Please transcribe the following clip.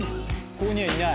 ここにはいない？